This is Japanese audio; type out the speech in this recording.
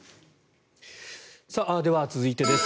では、続いてです。